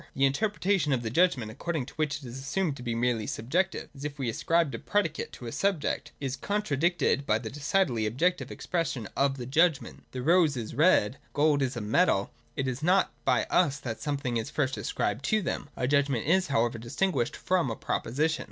The interpretation of the judgment, according to which it is assumed to be merely subjective, as if we ascribed a predicate to a subject, is contradicted by the decidedly objective expression of the judgment. The rose is red ; Gold is a metal. It is not by us that some thing is first ascribed to them. — A judgment is however distinguished from a proposition.